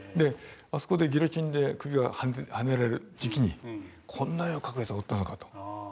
あそこでギロチンで首をはねられる時期にこんな絵を描くやつがおったのかと。